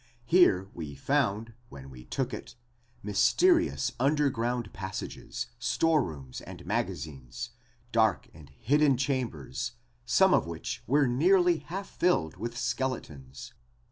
Here were found, when we took it, mysterious underground passages, store rooms and magazines, dark and hidden chambers some of which were nearly half filled with skeletons.